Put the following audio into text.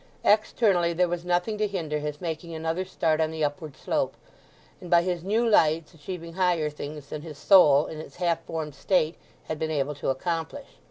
Externally there was nothing to hinder his making another start on the upward slope, and by his new lights achieving higher things than his soul in its half formed state had been able to accomplish.